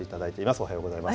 おはようございます。